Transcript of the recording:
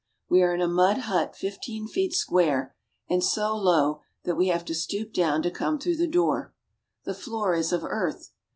We are in a mud hut fifteen feet square and so low that we have to stoop down to come through the door. The floor is of earth.